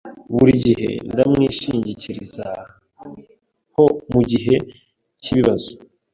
Buri gihe ndamwishingikirizaho mugihe cyibibazo.